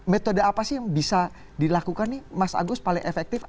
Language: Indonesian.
metode apa sih yang bisa dilakukan nih mas agus paling efektif